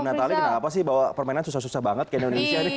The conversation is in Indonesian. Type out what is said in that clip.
natali kenapa sih bawa permainan susah susah banget ke indonesia